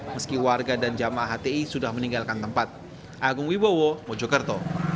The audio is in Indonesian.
meski warga dan jamaah hti sudah meninggalkan tempat